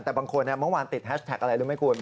แต่บางคนเมื่อวานติดแฮชแท็กอะไรรู้ไหมคุณ